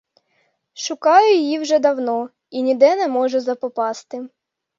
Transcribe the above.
Шукаю її вже давно і ніде не можу запопасти.